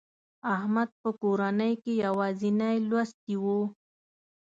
احمد په کورنۍ کې یوازینی لوستي و.